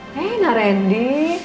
eh enak randy